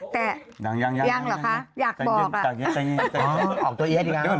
แต่ยังหรอคะอยากบอกจังเย็นจังเย็น